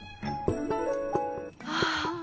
ああ。